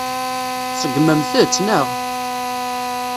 Tṣeggmemt-tt, naɣ?